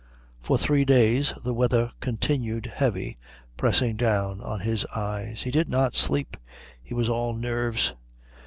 For three days the weather continued heavy, pressing down on his eyes. He did not sleep. He was all nerves.